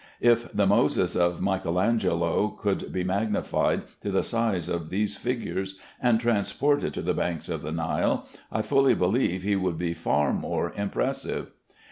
If the "Moses" of Michael Angelo could be magnified to the size of these figures and transported to the banks of the Nile, I fully believe he would be far more impressive.